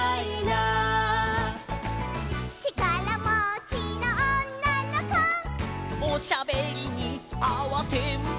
「ちからもちのおんなのこ」「おしゃべりにあわてんぼ」